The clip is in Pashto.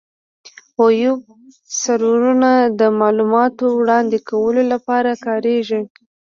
ویب سرورونه د معلوماتو وړاندې کولو لپاره کارېږي.